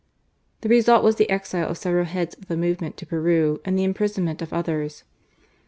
The result was the exile of several heads of the movement to Peru and the imprisonment of others.